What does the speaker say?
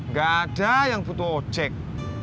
nggak ada yang butuh ojek